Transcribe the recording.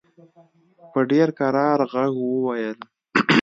په ډېر کرار ږغ وویل.